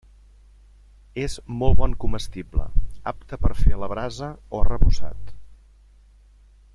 És molt bon comestible, apte per fer a la brasa o arrebossat.